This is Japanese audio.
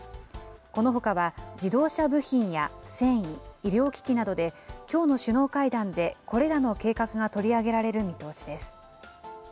このほかは、自動車部品や繊維、医療機器などで、きょうの首脳会談でこれらの計画が取り上げられる見通しです。